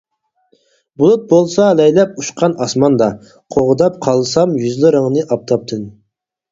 بۇلۇت بولسام لەيلەپ ئۇچقان ئاسماندا، قوغداپ قالسام يۈزلىرىڭنى ئاپتاپتىن.